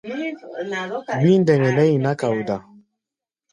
Gbíí ndɛŋgɛ nɛ́ nyiná kaoda.